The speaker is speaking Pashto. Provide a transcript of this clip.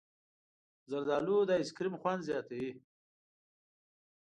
زردالو د ایسکریم خوند زیاتوي.